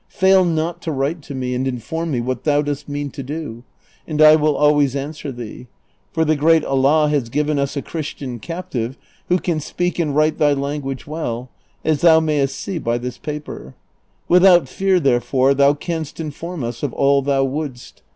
Fail not to write to me and inform me what thou dost mean to do, and I will always answer thee ; for the great Allah has given us a Christian captive who can speak and write thy language well, as thou mayest see by this paper : without fear, therefore, thou canst inform us of all thou wouldst.